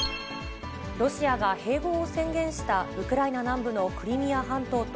ロシアが併合を宣言したウクライナ南部のクリミア半島と、